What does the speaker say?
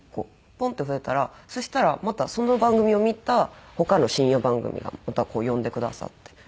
ポンって増えたらそしたらまたその番組を見た他の深夜番組がまた呼んでくださって。